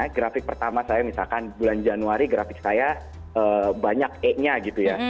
grafik pertama saya misalkan bulan januari grafik saya banyak e nya gitu ya